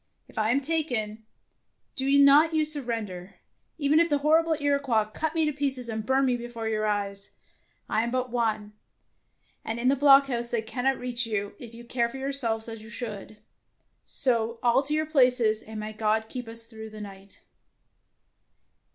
If I am taken, do not you surrender, even if the horrible Iroquois cut me to pieces and burn me before your eyes. I am but one, and in the block house they cannot reach you if you care for yourselves as you should. So all to your places, and may God keep us through the night.